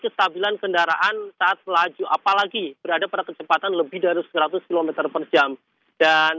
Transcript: kestabilan kendaraan saat melaju apalagi berada pada kecepatan lebih dari seratus km per jam dan